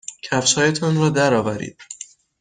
کفشهایتان را درآورید.